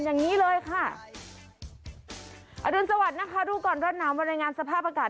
อย่างนี้เลยค่ะอรุณสวัสดิ์นะคะดูก่อนร้อนหนาวมารายงานสภาพอากาศ